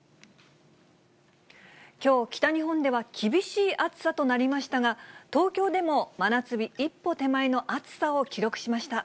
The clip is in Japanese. きょう、北日本では厳しい暑さとなりましたが、東京でも真夏日一歩手前の暑さを記録しました。